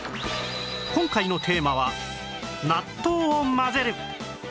今回のテーマは納豆を混ぜる